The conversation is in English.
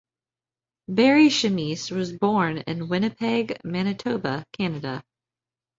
Barry Chamish was born in Winnipeg, Manitoba, Canada.